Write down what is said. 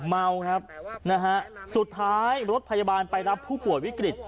เมาครับนะฮะสุดท้ายรถพยาบาลไปรับผู้ป่วยวิกฤต